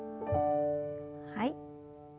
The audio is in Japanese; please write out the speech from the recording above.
はい。